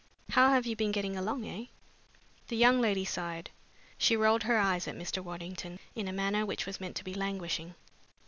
"How have you been getting along, eh?" The young lady sighed. She rolled her eyes at Mr. Waddington in a manner which was meant to be languishing.